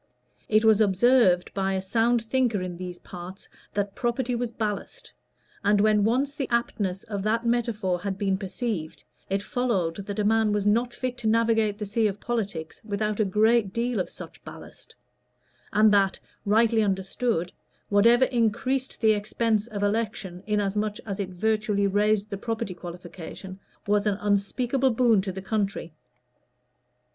It was observed by a sound thinker in these parts that property was ballast; and when once the aptness of that metaphor had been perceived, it followed that a man was not fit to navigate the sea of politics without a great deal of such ballast; and that, rightly understood, whatever increased the expense of election, inasmuch as it virtually raised the property qualification, was an unspeakable boon to the country.